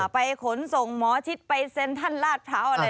ไปขนส่งหมอทิศไปเซ็นทร์ท่านราชพระอะไร